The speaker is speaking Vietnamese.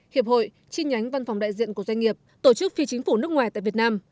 hiệp hội chi nhánh văn phòng đại diện của doanh nghiệp tổ chức phi chính phủ nước ngoài tại việt nam